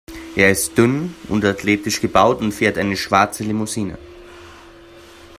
Er ist dünn und athletisch gebaut und fährt eine schwarze Limousine.